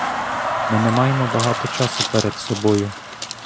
Ми не маємо багато часу перед собою.